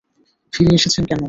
ফিরে এসেছেন কেন?